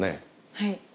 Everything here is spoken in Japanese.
はい。